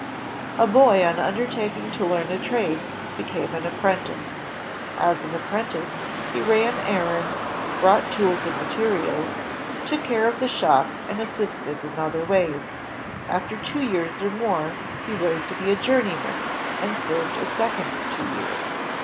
A boy on undertaking to learn a trade became an ap prentice. As an apprentice, he ran errands, brought tools and materials, took care of the shop, and assisted in other ways. After two years or more, he rose to be a journey man and served a second two years.